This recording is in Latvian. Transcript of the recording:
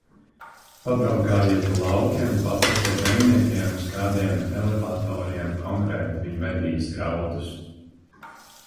Pabraukājiet pa laukiem, paprasiet zemniekiem, uz kādiem elevatoriem konkrēti viņi vedīs graudus!